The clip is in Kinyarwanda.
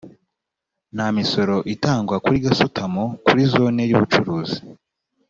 nta misoro itangwa kuri gasutamo kuri zone y’ubucuruzi